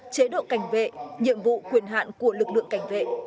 chế độ cảnh vệ nhiệm vụ quyền hạn của lực lượng cảnh vệ